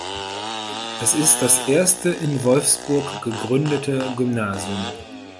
Es ist das erste in Wolfsburg gegründete Gymnasium.